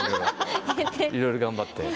いろいろ頑張って。